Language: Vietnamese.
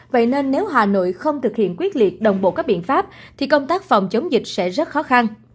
vậy nên nếu hà nội không thực hiện quyết liệt đồng bộ các biện pháp thì công tác phòng chống dịch sẽ rất khó khăn